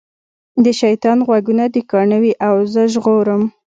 د شیطان غوږونه دي کاڼه وي او زه ژغورم.